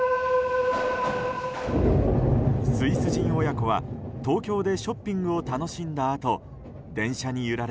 スイス人親子は、東京でショッピングを楽しんだあと電車に揺られ